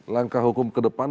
langkah hukum kedepan